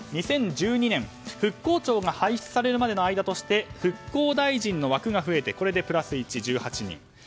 ２０１２年、復興庁が廃止されるまでの間として復興大臣の枠が増えてこれでプラス１、１８人。